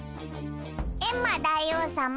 エンマ大王さま。